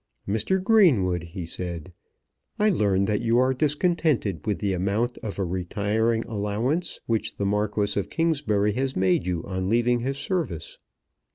"Mr. Greenwood," he said, "I learn that you are discontented with the amount of a retiring allowance which the Marquis of Kingsbury has made you on leaving his service."